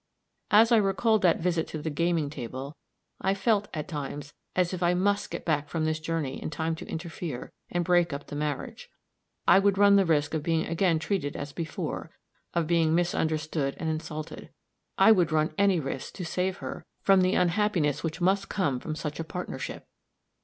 As I recalled that visit to the gaming table, I felt, at times, as if I must get back from this journey in time to interfere, and break up the marriage. I would run the risk of being again treated as before of being misunderstood and insulted I would run any risk to save her from the unhappiness which must come from such a partnership!